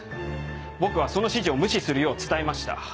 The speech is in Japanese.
僕はその指示を無視するよう伝えました。